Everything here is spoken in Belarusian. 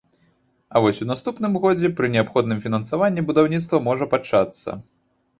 А вось у наступным годзе, пры неабходным фінансаванні, будаўніцтва можа пачацца.